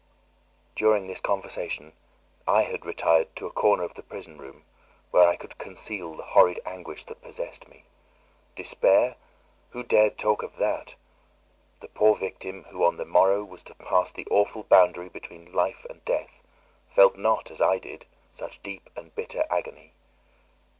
During this conversation I had retired to a corner of the prison room, where I could conceal the horrid anguish that possessed me. Despair! Who dared talk of that? The poor victim, who on the morrow was to pass the awful boundary between life and death, felt not, as I did, such deep and bitter agony.